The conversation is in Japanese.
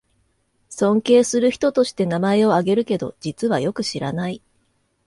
尊敬する人として名前をあげるけど、実はよく知らない